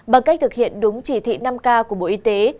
bằng cách thực hiện đúng chỉ thị năm k của bộ y tế